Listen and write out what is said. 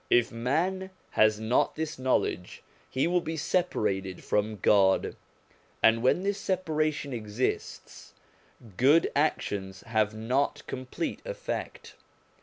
If man has not this knowledge, he will be separated from God; and when this separation exists, good actions have not complete effect.